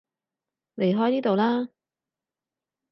離開呢度啦